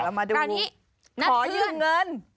เรามาดูการนี้นัดเพื่อนขอยืมเงิน